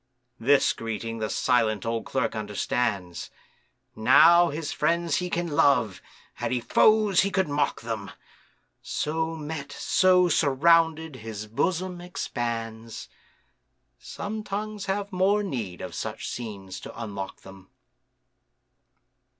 This greeting the silent old Clerk understands. Now his friends he can love, had he foes, he could mock them; So met, so surrounded, his bosom expands,— Some tongues have more need of such scenes to unlock them.